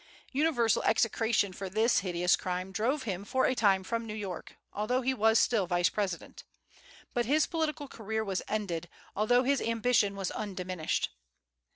Universal execration for this hideous crime drove him for a time from New York, although he was still Vice President. But his political career was ended, although his ambition was undiminished.